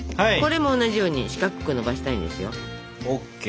これも同じように四角くのばしたいんですよ。